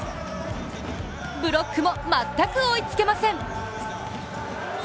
ブロックも全く追いつけません。